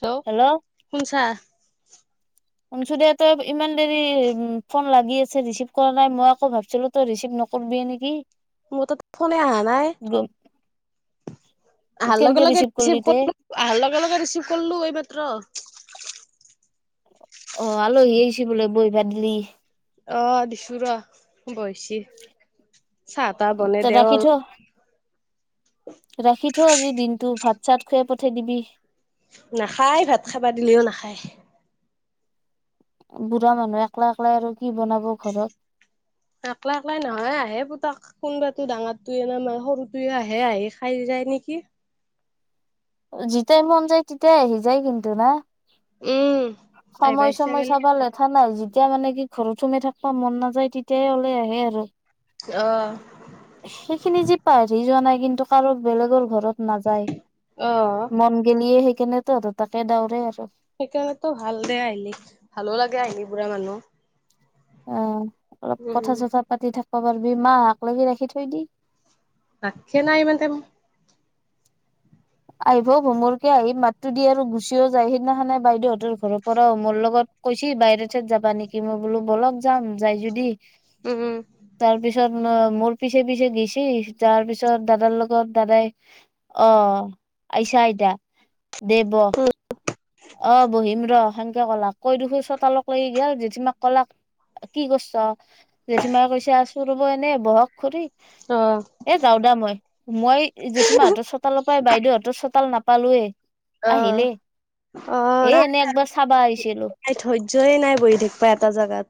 Hello কোন চা শুনিছোঁ ত ইমান দেৰি উ ফোন লাগি আছে আছে ৰিচিভ কৰা নাই মই আকৌ ভাবছিলো তই ৰিচিভ নকৰিবি নেকি মোৰ তাত ফোনে আহা নাই আহা লগে কেনেকে লগে ৰিচিভ কৰিলি ৰিছিপ তে কৰিলোঁ আহা লগে লগে এই মাত্ৰ অ আলহী আহিছে বোলে বৈবাক গিলি অ দিছো ৰ বহছি চাহ তাহ ত বনাই দেও ৰাখি থ আৰু ৰাখি থ আজি দিনটো ভাত চাত খুৱাই পঠাই দিবি। নাখায় ভাত খাবা দিলেও নাখায়। বুঢ়া মানুহ একলা একলা আৰু কি বনাব ঘৰত একলা একলাই নহয় আহে পুতাক কোনোবাতো ডাঙৰটোৱে ন ম সৰুটোৱে আহে আহি খাই যায়। নেকি যেতিয়াই মন যায় তেতিযাই আহি যায় কিন্তু ন উম আহিবা সময় ইচ্ছা চময়ই গেলি চাবা লেঠা না যি যা মানে কি ঘৰত সোমাই থাকবা মন নাযায় তেতিয়াহে ওলাই আহে আৰু অ সেইখিনি যিপা হেৰি যোৱা নাই কিন্তু কাৰো বেলেগৰ ঘৰত নাযায় অ মন গেলিয়ে সেইকাৰণে তঁ তাকে দাৰে আৰু সেইকাৰণেতো ভাল দে আহিলি ভালো লাগে আহিলি বুঢ়া মানুহ আহ অলপ কথা উম চথা পাতি থাকিব পাৰিবি মাহক লাগি ৰাখি থৈ দি। বাত খাইনা ইমান টাইম আহিব হোমৰকে আহিম মাতো দি আৰু গুচিও যায় সেইদিনাখ নাই বাইদেহঁতৰ ঘৰৰ পৰা হোমৰ লগত কৈছি বাহিৰতে যাবা নেকি মই বোলো বলগ যাম যাই যদি। উম উম ন মোৰ পিছে পিছে গৈছ তাৰ পিছত দাদাৰ লগত দাদাই অ আইচা আইতা দে ব অ বহিম ৰ সেনকা কলাক কয় দেখি চতালল লাগি গল যেতিমাক কলাক কি কৰিছ জেঠীমাৰ কৈছে আছো ৰব এনে বহাগ খৰি অ এ যাও দা মই মই জেঠিমাাহঁতৰ চোতালৰ পৰাই বাইদেউত চোতাল নাপালোৱেই অ অ এ এনে একবাৰ চাবা আহিছিলো ইট ধৈৰ্যয়ে নাই বহি থাকবা এটা জাগাত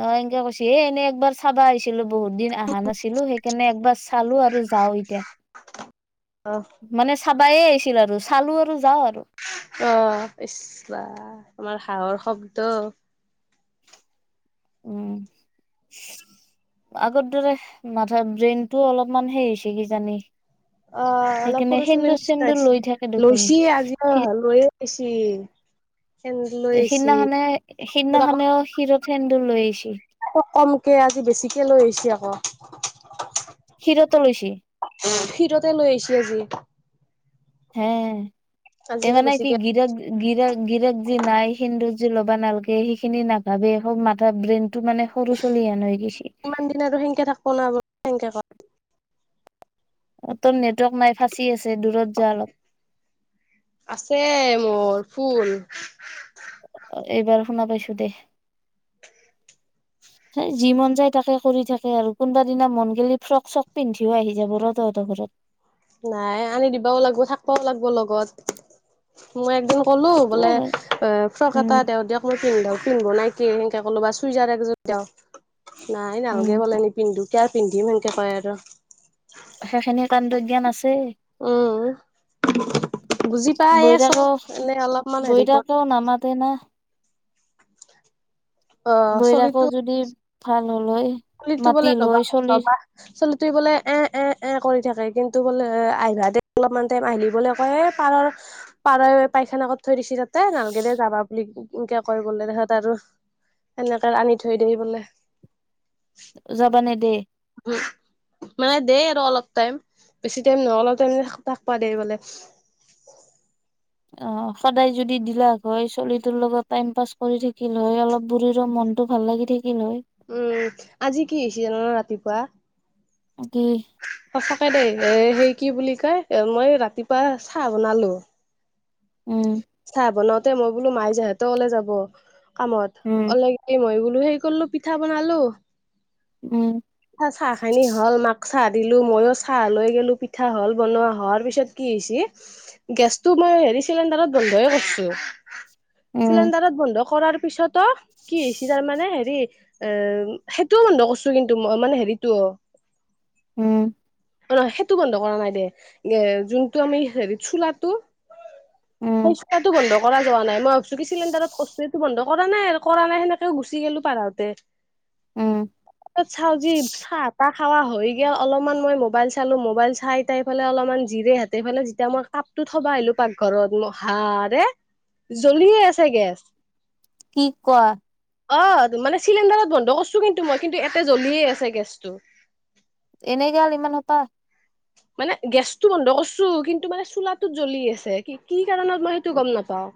অ এনকে কৈছ এ এনে একবাৰ চাবা আহিছিলো। বহুত দিন অহা নাছিলো সেইকাৰণে একবাৰ চালো আৰু যাও এতিয়া। অ', মানে চাবেয়ে আহিছিলো আৰু চালো আৰু যাওঁ আৰু তাতঁ তাতঁ অহ ইছ ইমান হাঁহৰ শব্দ। উম [inaudible] আগৰ দৰে মাথা ব্ৰেইনতটো অলপমান হেৰি হৈছে কিজানি। অ', অলপ সেইকাৰণে সৰু ছোৱালীৰ সেন্দুৰ নিচিনা চেন্দুৰ হৈছে, লৈ থাকে দেখোন। লৈছি আজিও লৈয়ে আহিছি। ফেন লৈ আহিছি, সিদিনাখনে সিদিনাখনেও শিৰত সেন্দুৰ লৈ আহিছেল। আকৌ কমকে আজি বেছিকে লৈ আহিছ আকৌ। শিৰতো লৈছি শিৰতে লৈ আহিছে আজি। হে আজি আৰু এইমানানে কি বেছিকে শিৰক শিৰত গিৰেক [unintelligible] যি নাই সিন্দুৰ যি ল'বা নালাগে সেইখিনি নাভাবে খব মাথা ব্ৰেইনতটো মানে সৰু ছোৱালী আনাই গৈছে তেনেকে ক অ টোৰ নেটৱৰ্ক নাই ফাঁচি আছে। দূৰত যা অলপ অহ আছে মোৰ ফুল। এইবাৰ শুনা পাইছো দে। [inaudible] হ যি মন যায় তাকে কৰি থাকে আৰু কোনোবা দিনা মন গি ফ্ৰক চক পিন্ধিও আহি যাব ৰ তহঁতৰ ঘৰত অ [unintelligible] নাই আনি দিবাও লাগব, থাকবও লাগব লগত। মই মই ক'লো সেইটোও বোলে হয় ফ্ৰক উম এটা দিয় দিয়ক মই পিন্ধু। পিন্ধব নাই কি সেনকে ক'লো বা চুইজাৰ এক যোৰ দাও, নাই উম নালগে বলে নিপিন্ধো। কিয় পিন্ধিম হনে কয় সিহঁতক সেইখিনি কাণ্ড জ্ঞান আছে। উম বুজি পায়ে বহি চব থাকক, এনে অলপমান হেৰি কৰ থাকক নামাতে না। অ চলিটো বহিথাকক যদি ভাল। হ'ল হয় চলিটো বোলে মাতিল নবা হয় চলি নবা, চলি ত বোলে এ এ এ। কৰি থাকে কিন্তু বোলে আহিবা দে অলপমান টাইম আহিলেও বোলে কয়, এ পাৰ হ, পাৰ হৈ পাইছ। লগত থৈ দিছি তাতে, নালগে দে যাবা বুলি হিংসা কৰে বোলে সিহঁত আৰু। সেকে আনি থৈ দিবি বোলে। যাবানে নেদে ন অলপ টাইম, বেছি টাইম নহয় অলপ টাইম মানে থাকাবা দিয়ে অ সদায় যদি দিলাক হয় ছোৱলীটোৰ লগত টাইম পাছ কৰি থাকিল হয় অলপ শৰীৰ মনটো। ভাল লাগে দেই উম। আজি কি হৈছে জানা না ৰাতিপুৱা? কি? সঁচাকে দেই। এ সেই কি বুলি কয় এ মইও ৰাতিপুৱা চাহ বনালো। উম চাহ বনাওতে মই বোলো মই বোলো মাই সিতৰ ঘৰলৈ আজি ওলাই যাব। কামত উম অলপ দেৰি লাগে, মই বোলো হে কৰিলো পিঠা বনালো। উম। পিঠা, চাহ খাইলৈ হ'ল। মাক চাহ দিলো, মইয়ো চাহ লৈ গলো। পিঠা হল বনোৱা হোৱাৰ পিছত কি কি হৈছে? গেছটো মই হেৰি চিলিণ্ডাৰত বন্ধয়ে কৰিছো। উম চিলিণ্ডাৰত বন্ধ কৰাৰ পিছত কি হৈছে তাৰমানে হেৰি। এ সেইটোও বন্ধ কৰিছো কিন্তু মই মানে হেৰিতো। উম। নহয়। সেইটো বন্ধ কৰা নাই দে, এ যোনটো আমি হেৰি চোলাটো সে উম ইচকাৰ বন্ধ কৰা যোৱা নাই। মই ভাবিছো কি চিলিণ্ডাৰত কৰছো এইটো বন্ধ কৰা নাই আৰু কৰা নাই সেনেকেও গুচি গলো পাৰাওঁতে। উম ত চাও যি, চাহ তাহ খাৱা হৈ গেল অলপমান মই মবা মোবাইল চালো, মোবাইল চাই তাইফালে অলপমান জিৰে হেতে পেলে যেতিয়া মই কাপটো থবাই আহিলো পাকঘৰত। আৰে, জ্বলিয়ে আছে গেছ। কি কোৱা। অ, মানে চিলিণ্ডাৰত বন্ধ কৰিছো কিন্তু মই, কিন্তু এয়াতে জ্বলিয়ে আছে গেছটো। এনে গল ইমানহোপা? মানে গেছতটো বন্ধ কৰিছো, কিন্তু মানে চোলাটোত জ্বলি আছে কি কি কাৰণত মই সেইটো গম নাপাওঁ।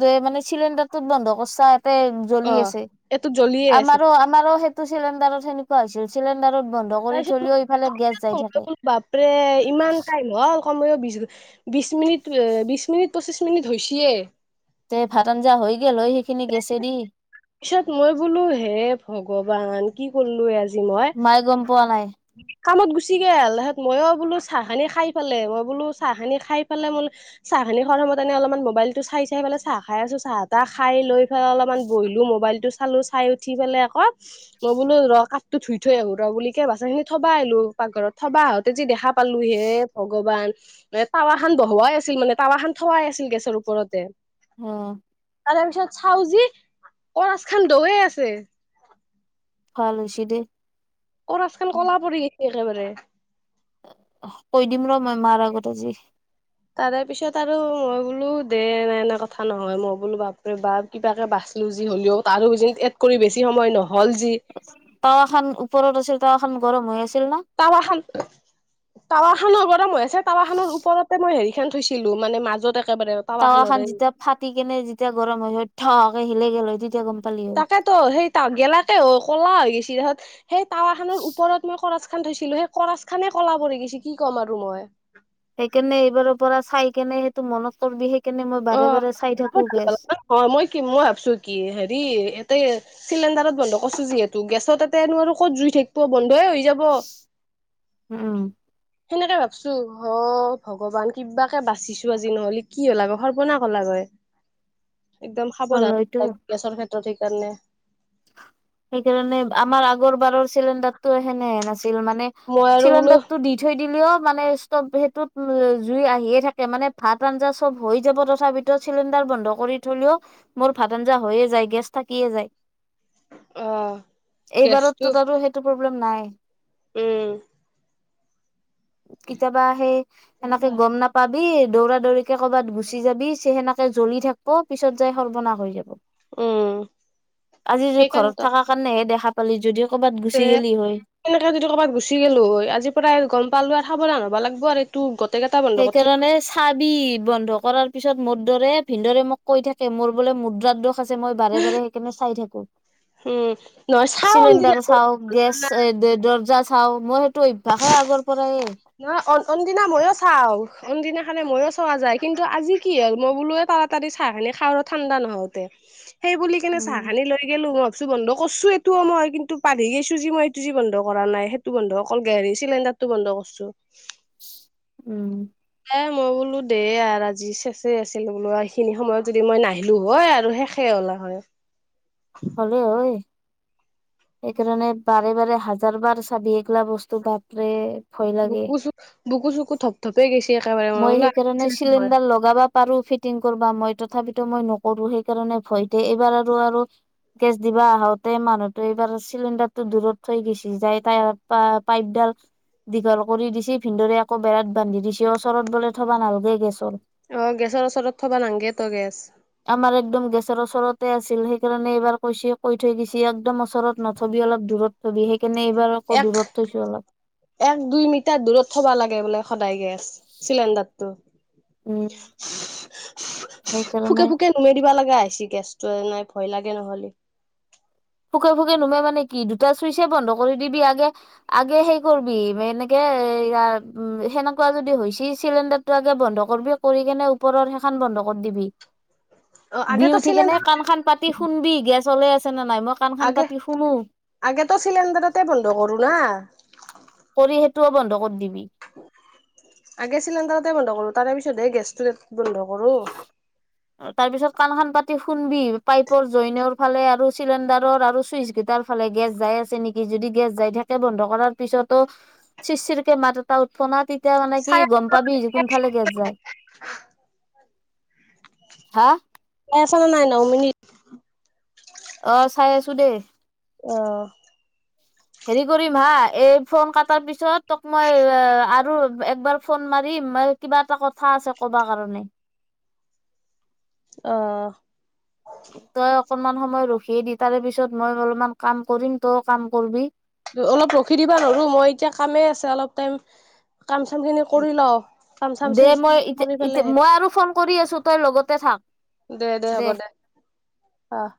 টোৱে মানে চিলিণ্ডাৰ টোত বন্ধ কৰচা ইতে জ্বলি অ আছে। এইটোত জ্বলিয়ে আছে আমাৰো আমাৰো চিলিণ্ডাৰত সেনেকোৱা হৈছিল। চিলিণ্ডাৰত বন্ধ কৰি থলেও ইফালে গেছ যাই থাকে তাৰপিছত বাপৰে ইমান টাইম হল কমেও বিশ মিনিট বিশ মিনিট পঁচিছ মিনিট হৈছে। তে ভাত আঞ্জা হৈ গল হয় সেইখিনি গেছে দি। পিছত মই বোলো, হে ভগৱান কি কৰিলোৱে আজ। মায়ে গম পোৱা নাই। কামত গুচি গাল। তাচত মইও বোলো চাহ খানি খাই পেলে, মই বোলো চাহ খানি খাই পালে মোল চাহ। চাহ খিনি খোৱাটাইমত অলপমান মোবাইল টো চাই চাই পেলাই চাহ খাই আছো, চাহ টাহ খাই লৈ পেলাই অলপমান। বহিলো মোবাইলটো চালো, চাই উঠি পেলাই আকৌ, মই বোলো ৰ কাপতো ধুই থৈ আহো ৰ বুলিকে থবা আহিলো পাকঘৰত, থবা আহোতে যি দেখা পালো হে ভগৱান টাৱা হান বহুৱা। আছিল মানে। টাৱা খান থোৱাই আছিল গেছৰ ওপৰতে। অ তাৰে পিছত চাওজি, অ আজ খান দৌৱে আছে। ভাল হৈছে দে অ আজকাল কলা পৰি গিছে একেবাৰে কৈ দিম ৰ মই মাৰ আগত আজি তাৰে পিছত আৰু মই বোলো দে এনে এনে কথা নহয় মই বোলো বাপ কিবাকে বা চিলো যি হ'লেও ত আৰু এড কৰি বেছি সময় ন তাৱা খান ওপৰত আছিল তাৱা খন গৰম হৈ আছিল ন টাৱা খান টাৱা খানৰ পৰা মই আছে টাৱা খানৰ ওপৰতে মই হেৰি খন থৈছিলো মানে মাজত একেবাৰে টাৱা খান খানৰে যেতিয়া ফাটি কেনে যেতিয়া গৰম হৈ থকে হিলে গ ল হয় তেতিয়া গম প তাকেতো সেই গেলাতে ক'লা হৈ গছে তাৰত সেই টাৱা খাননৰ ওপৰত মই খচ খান থৈছিলো সেই কৰাচ খানে কলাব গৈছে কি ক'ম আৰু মই। সেইকাৰণে এইবাৰৰ পৰা চাই কেনে সেইটো মনত পৰিবি শে অ মই কি মই ভাবছো কি হেৰি ইয়াতে চিলিণ্ডাৰত বন্ধ কৰিছো যিহেতু গেছত এাতে ন আৰু ক'ত জুই থাকিব বন্ধ লৈ হৈ যাব উম সেনেকে ভাবছো অ ভগৱান কিবাকে বাচিছো আজি নহ'লে কি হল আ। সবনাহ হলাগৈ একদম হ'ল সাৱধান হয়তো ল গেছৰ ক্ষেত্ৰত সেইকাৰণে সেইকাৰণে আমাৰ আগৰ বাৰৰ চিলিণ্ডাৰতটো হেনে হেন আছি ছিল মানে মই আৰু বোলো চিলানডাকতটো দি থৈ দিলে অ। মানে স্তব সেইটো জুই আহিয়ে থাকে মানে ভাত আঞ্জাব হৈ যাব তথাপিতো চিলিণ্ডাৰ টো। বন্ধ কৰি থলেও মোৰ ভাত আঞ্জা হৈয়ে যায় গেছ থাকিয়ে যায় অ গেছটো এইবাৰততো তাতো সেইটো প্ৰব্লেম নাই উম কেতিয়াবা আহে সেনেকে গম নাপাবি দৌৰা দৌৰি কে ক'ৰবাত গুচি যাবি চে সেনেকে জ্বলি থাকিব পিছত যাই সৰ্বনা হৈ যাব। উম। আজি য ঘৰত থকা কাৰণেহে দেখা পালি যদি কৰ'বাত গুচি গেলি হয় তেনেক যদি কবাত গুচি গ'লো হয় আজি পৰা গম পালো। সাৱধান হব লাগব আৰু তটো সেইকাৰণে চাবি বন্ধ কৰাৰ। পিছত মদ দৰে ভিনদৰে মোক কৈ থাকে মোৰ বোলে মুদ্ৰাৰ দশ ছে মই বাৰে -বাৰে সেইকাৰণে চাই থাকো। উম নহয় চাও চিলিণ্ডাৰ কোনদিনা চাও, গেছ, দৰ্জা চাও, মই সেইটো অভ্যাসে আগৰ পৰাই নহয় অনিদিনা ময়ো চ চাওঁ অইনদিনাখানে ময়ো চোৱা যায় কিন্তু আজি কি হ'ল মই বোলো তাৰাতাৰী চাহ খিনি খাওঁ আৰু ঠাণ্ডা নহওতে সেই বুলি কেনে চাহ উম খানি লৈ গেলো বন্ধ কৰছো এইটোও মই কিন্তু পাহৰি গেচো যি মই এইটো যি বন্ধ কৰা নাই সেইটো বন্ধ অকল চিলিণ্ডাৰ টো বন্ধ কৰিছো। উম এ' মই বোলো দে আৰ আজি চেচে আছিল বোলো এইখিনি সময়ত যদি মই নাহিলো হয় আৰু শেষে হলা হয়। হলে ঐ। সেইকাৰণে বাৰে -বাৰে হাজাৰ বাৰ চাবি এগলা বস্তু বাপৰে। ভয় লাগে বুকু চু বুকু চুকু ধপ ধপে গৈছে একেবাৰে মই বোলো সেইকাৰণে চিলিণ্ডাৰ লগাবা পাৰো ফিট ফিটিং কৰবা মই তথাপিতো মই নকৰো সেইকাৰণে ভয়তে এইবাৰ আৰু -আৰু গেছ দিবা আহোতে মানুহ ত' এইবাৰ চিলিণ্ডাৰটো দূৰত থৈ গেচি যাই তা পা পাইপডাল দীঘল কৰি দিছি ভিনদৰে আকৌ বেৰাত বান্ধি দিছে ওচৰত বোলে থবা নালগে গেছ [inaudible] অ গেছৰ ওচৰত থবা নালগে তই গেছ আমাৰ একদম গেছৰ অচৰত তে আছিল সেইকাৰণে এইবাৰ কৈছি কৈ থৈ গেছি একদম ওচৰত নথবি অলপ দূৰত থবি সেইকাৰণে এইবাৰ আকৌ এক- দূৰত থৈছো অলপ এক, দুই মিটাৰ দূৰত থবা লাগে বোলে সদায় গে চিলেণ্ডাৰ টো। উম ফুকে সেইকাৰণে -ফুকে নুমে দিবা লাগা হৈছি গেছটো এ' নাই ভয় লাগে নহলি। ফুকে- ফুকে নুমে মানে কি দুটা চুইচে বন্ধ কৰি দিবি আগে -আগে সেই কৰবি এনেকে হেইয়াৰ উম সেনেকুৱা যদি হৈছি চিলিণ্ডাৰটো আগে বন্ধ কৰবি কৰিকেনে ওপৰৰ সেখান বন বন্ধ কৰ দিবি অ দি আগেতো উঠি কেনে চিলিণ্ডাৰ কাণ খান পাতি শুনবি গেছ অলে আছে নে নাই মই কাণ খান আগে পাতি শুনো -আগে তো চিলিণ্ডাৰতে বন্ধ কৰো না কৰি সেইটোও বন্ধ কৰ দিবি। আগে চিলিণ্ডাৰতে বন্ধ কৰো তাৰে পিছত হে গেছটো বন্ধ কৰো। তাৰ পিছত কাণ খান পাতি শুনবি পাইপৰ জইনৰ ফালে আৰু চিলিণ্ডাৰৰ আৰু চুইচ গেইটাৰ ফালে গেছ যায় যাই আছে নেকি যদি গেছ যাই থাকে বন্ধ কৰাৰ পিছতো চিৰ- চিৰ কে মাত এটা উঠফনা তেতিয়া মানে কি চাই গম পাবি কোনফালে গেছ যায়। হা চাইছা নে নাই নও মিনিট? অহ, চাই আছো দে। অহ ', হেৰি কৰিম হা এই ফোন কাটাৰ পিছত তোক মই আৰু একবাৰ ফোন মাৰি কিবা এটা কথা আছে কবা কাৰণে অহ ', তই অকনমান সময় ৰখিয়ে দি তাৰে পিছত মই অলপমান কাম কৰিম তয়ো কাম কৰবি। অলপ ৰখি দিবা নৰো মই এতিয়া কামেই আছে অলপ টাইম কাম -চাম খিনি কৰি লও কাম- চাম দে চেছ মই কৰি ইতি পেলেহে। মই আৰু ফোন কৰি আছো তই লগতে থাক। দে -দে হ'ব দে অহ।